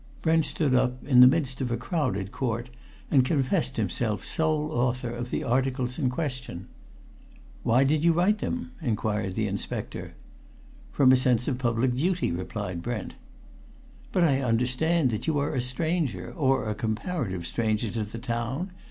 Brent stood up, in the midst of a crowded court, and confessed himself sole author of the articles in question. "Why did you write them?" inquired the inspector. "From a sense of public duty," replied Brent. "But I understand that you are a stranger, or a comparative stranger, to the town?"